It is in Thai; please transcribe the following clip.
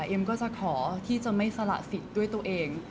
เอ็มก็จะขอที่จะไม่สละสิทธิ์ด้วยตัวเอง